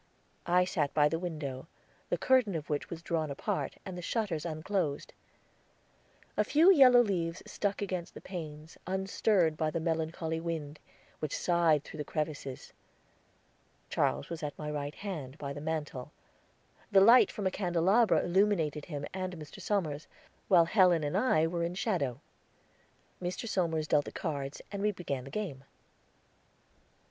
I sat by the window, the curtain of which was drawn apart, and the shutters unclosed. A few yellow leaves stuck against the panes, unstirred by the melancholy wind, which sighed through the crevices. Charles was at my right hand, by the mantel; the light from a candelabra illuminated him and Mr. Somers, while Helen and I were in shadow. Mr. Somers dealt the cards, and we began the game.